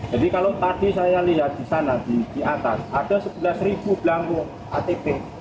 jadi kalau tadi saya lihat di sana di atas ada sebelas belangkuk ktp